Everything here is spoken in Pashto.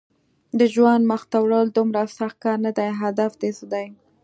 د ژوند مخته وړل دومره سخت کار نه دی، هدف دې څه دی؟